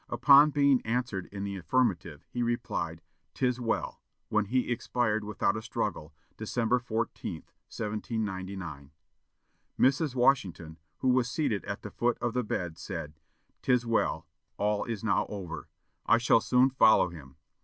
Upon being answered in the affirmative, he replied, "'Tis well!" when he expired without a struggle, December 14, 1799. Mrs. Washington, who was seated at the foot of the bed, said: "'Tis well. All is now over. I shall soon follow him.